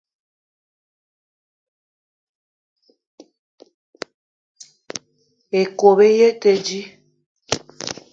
Ikob í yé í te dji.